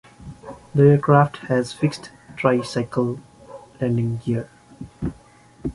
The aircraft has fixed tricycle landing gear.